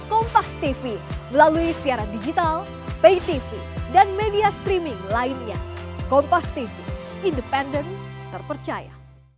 kompas tv melalui siaran digital pay tv dan media streaming lainnya kompas tv independen terpercaya